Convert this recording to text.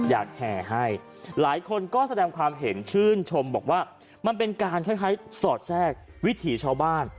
แห่ให้หลายคนก็แสดงความเห็นชื่นชมบอกว่ามันเป็นการคล้ายสอดแทรกวิถีชาวบ้าน